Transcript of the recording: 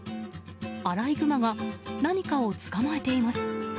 アライグマが何かを捕まえています。